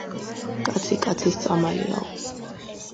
კაცი კაცის წამალიაო